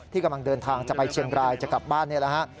กำลังเดินทางจะไปเชียงรายจะกลับบ้านนี่แหละฮะ